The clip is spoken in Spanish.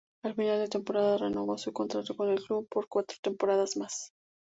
A final de temporada, renovó su contrato con el club por cuatro temporadas más.